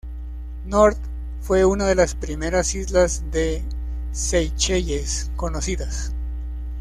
North fue una de las primeras islas de Seychelles conocidas.